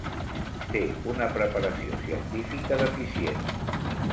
Té una preparació científica deficient.